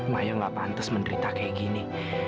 mayo gak pantas menderita kayak gini